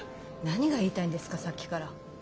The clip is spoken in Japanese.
何が言いたいんですかさっきから。